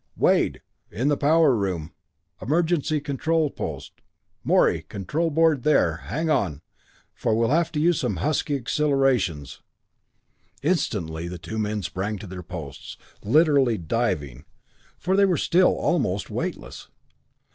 "Wade in the power room emergency control post Morey control board there hang on, for we'll have to use some husky accelerations." Instantly the two men sprang for their posts literally diving, for they were still almost weightless.